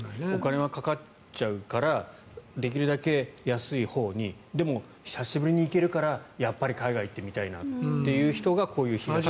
お金はかかっちゃうからできるだけ安いほうにでも久しぶりに行けるからやっぱり海外に行ってみたいなという人がこういう。